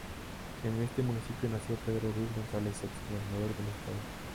En este municipio nació Pedro Ruiz González, ex gobernador del estado.